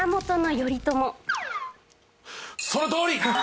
そのとおり！